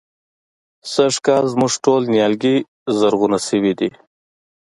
سږکال زموږ ټول نيالګي زرغونه شوي دي.